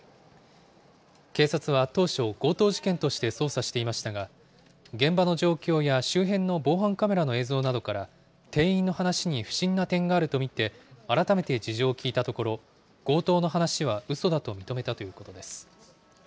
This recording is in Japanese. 警察は当初、強盗事件として捜査していましたが、現場の状況や周辺の防犯カメラの映像などから、店員の話に不審な点があると見て、改めて事情を聴いたところ、強盗の話はうそだと認めたということです。